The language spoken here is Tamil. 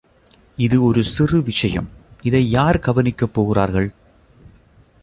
இது ஒரு சிறு விஷயம், இதை யார் கவனிக்கப் போகிறார்கள்?